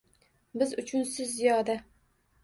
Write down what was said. Biz uchun siz ziyoda.